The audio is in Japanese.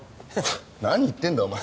何言ってんだお前。